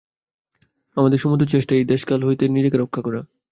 আমাদের সমুদয় চেষ্টাই এই দেশ-কাল-নিমিত্তের উপর নির্ভরশীলতা হইতে নিজেকে রক্ষা করা।